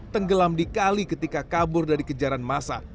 tenggelam di kali ketika kabur dari kejaran masa